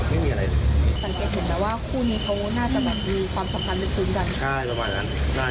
คือเป็นการเจอกันครั้งแรกไหม